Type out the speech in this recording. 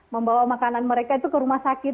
membawa makanan mereka itu ke rumah sakit